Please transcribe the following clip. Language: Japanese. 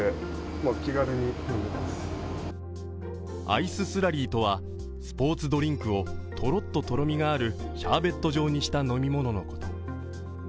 アイススラリーとはスポ−ツドリンクをとろっととろみのあるシャーベット状にした飲み物のこと。